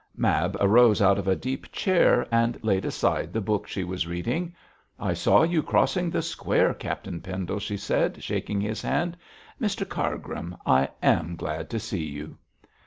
Mab arose out of a deep chair and laid aside the book she was reading. 'I saw you crossing the square, Captain Pendle,' she said, shaking his hand. 'Mr Cargrim, I am glad to see you.'